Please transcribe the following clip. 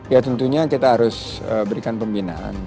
ya tentunya kita harus berikan pembinaan